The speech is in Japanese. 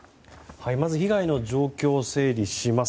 まず被害の状況を整理します。